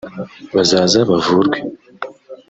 bazaza bavurwe